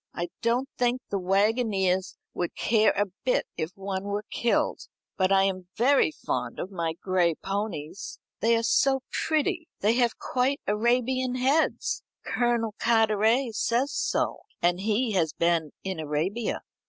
I don't think the waggoners would care a bit if one were killed. But I am very fond of my gray ponies. They are so pretty. They have quite Arabian heads. Colonel Carteret says so, and he has been in Arabia."